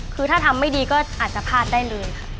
คือถ้าทำไม่ดีก็อาจจะพลาดได้เลยค่ะ